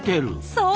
そう。